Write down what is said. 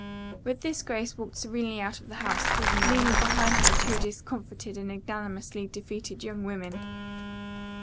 With this Grace walked serenely out of the house, leaving behind her two discomfited and ignominiously defeated young women.